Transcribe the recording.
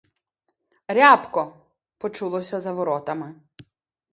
Рябко!— почулося за воротами.